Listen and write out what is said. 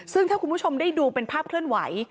ซึ่งถ้าคุณผู้ชมได้ดูเป็นภาพเคลื่อนไหว